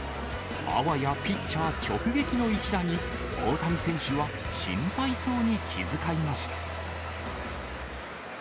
あわやピッチャー直撃の一打に、大谷選手は心配そうに気遣いました。